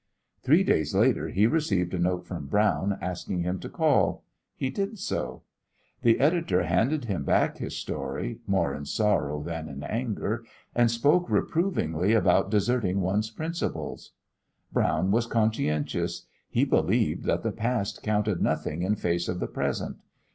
Three days later he received a note from Brown asking him to call. He did so. The editor handed him back his story, more in sorrow than in anger, and spoke reprovingly about deserting one's principles. Brown was conscientious. He believed that the past counted nothing in face of the present.